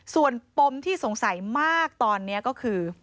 ส่วนปมที่สงสัยมากตอนนี้ก็คือ